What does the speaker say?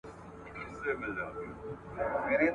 • هم ئې سکڼي، هم ئې رغوي.